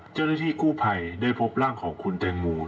เจ้าหน้าที่กู้ภัยได้พบร่างของคุณแตงโม